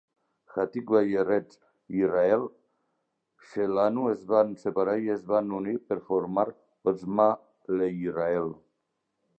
Hatikva i Eretz Yisrael Shelanu es van separar i es van unir per formar Otzma LeYisrael.